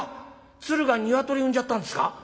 鶴がニワトリ産んじゃったんですか？」。